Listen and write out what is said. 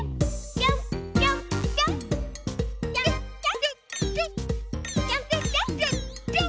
ぴょんぴょんぴょん！